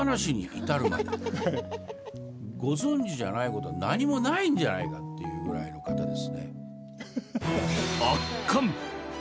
ご存じじゃないことは何もないんじゃないかというぐらいの方でですね。